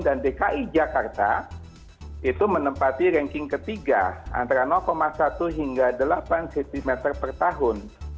dan dki jakarta itu menempati ranking ketiga antara satu hingga delapan cm per tahun